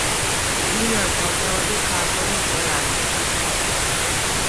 ილია ჭავჭავაძე ქართველი მწერალია